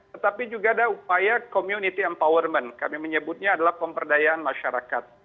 tetapi juga ada upaya community empowerment kami menyebutnya adalah pemberdayaan masyarakat